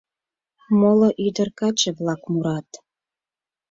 Моло ӱдыр-каче-влак мурат: